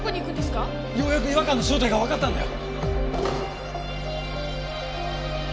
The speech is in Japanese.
ようやく違和感の正体がわかったんだよ！